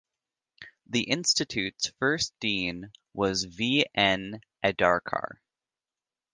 The Institute's first dean was V. N. Adarkar.